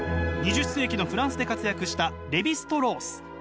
２０世紀のフランスで活躍したレヴィ＝ストロース。